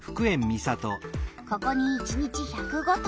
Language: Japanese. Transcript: ここに１日１０５トン。